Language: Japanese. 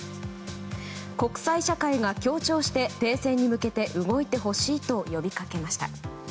国際社会が協調して停戦に向けて動いてほしいと呼びかけました。